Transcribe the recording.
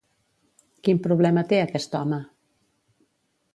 Quin problema té aquest home?